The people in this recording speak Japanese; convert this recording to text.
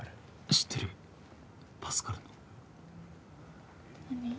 知ってるパスカルの何？